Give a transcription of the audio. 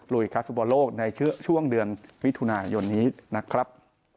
ลุยครัฟฟิศบรรโลกในช่วงเดือนวิทยุนายนนี้นะครับ